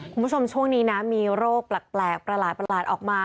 คุณผู้ชมช่วงนี้นะมีโรคแปลกประหลาดออกมา